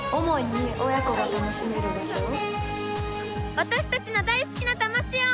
私たちの大好きな多摩市を。